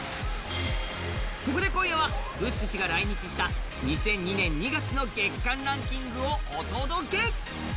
そこで今夜はブッシュ氏が来日した２００２年２月の月間ランキングをお届け。